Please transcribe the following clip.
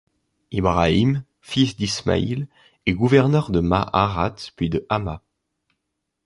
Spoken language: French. Ibrahim, fils d'Ismaïl, est gouverneur de Ma'arrat puis de Hama.